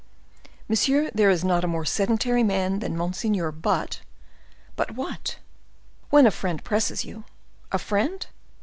"Monsieur, there is not a more sedentary man that monseigneur, but—" "But what?" "When a friend presses you—" "A friend?"